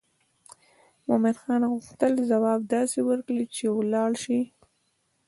مومن خان غوښتل ځواب داسې ورکړي چې ولاړ شي.